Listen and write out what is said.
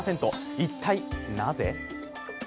一体なぜ？